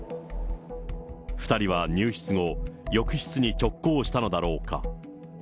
２人は入室後、浴室に直行したのだろうか。